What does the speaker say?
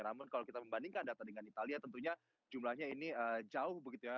namun kalau kita membandingkan data dengan italia tentunya jumlahnya ini jauh begitu ya